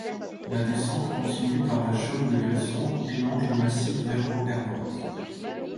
La descente continue par la chaume de Gresson et longe le massif vers Oberbruck.